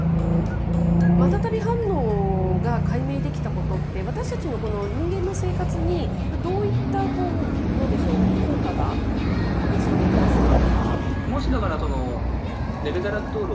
マタタビ反応が解明できたことって、私たちのこの人間の生活にどういった、なんでしょう、効果が予想できますか。